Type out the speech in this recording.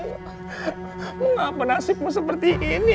kenapa ini sebelumnya seperti ini